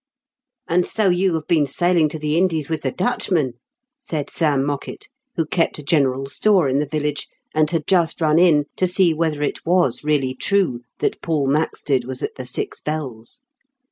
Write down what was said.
"And so you have been sailing to the Indies with the Dutchmen," said Sam Mockett, who kept a general store in the village, and had just run in to see whether it was really true that Paul Maxted was at The Six Bells.